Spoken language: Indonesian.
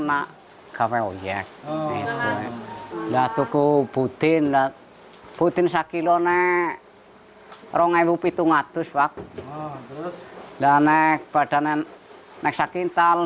lalu pada saat sakital